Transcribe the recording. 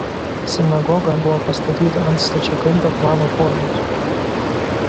Sinagoga buvo pastatyta ant stačiakampio plano formos.